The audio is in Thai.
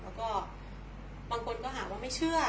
แล้วค่ะบางคนก็หัวไม่เชื่อ